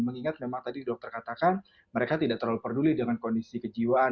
mengingat memang tadi dokter katakan mereka tidak terlalu peduli dengan kondisi kejiwaan